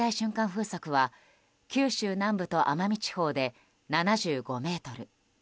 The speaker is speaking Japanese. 風速は九州南部と奄美地方で７５メートル